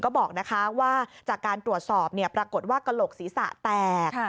ก็บอกว่าจากการตรวจสอบปรากฏว่ากระโหลกศีรษะแตก